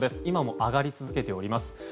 今も上がり続けております。